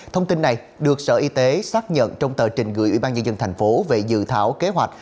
thông tin này được sở y tế xác nhận trong tờ trình gửi ủy ban nhân dân thành phố về dự thảo kế hoạch